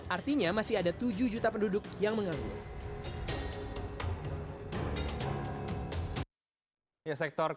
artinya masih ada tujuh juta penduduk yang menganggur